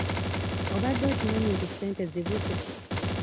Obadde okimanyi nti ssente zibuze?